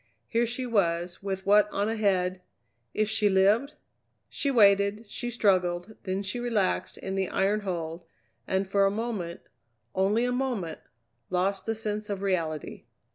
Here she was, with what on ahead if she lived? She waited, she struggled, then she relaxed in the iron hold, and for a moment, only a moment, lost the sense of reality.